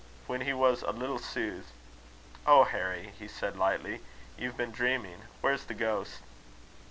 When he was a little soothed, "Oh, Harry!" he said, lightly, "you've been dreaming. Where's the ghost?"